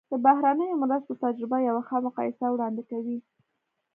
د بهرنیو مرستو تجربه یوه ښه مقایسه وړاندې کوي.